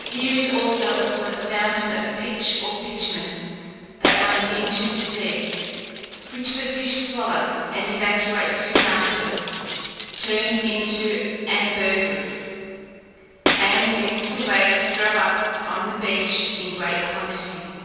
Here is also a sort of fountain of pitch or bitumen, that runs into the sea, which the fish swallow, and evacuate soon afterwards, turned into ambergris: and this the waves throw up on the beach in great quantities.